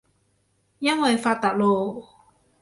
因爲發達囉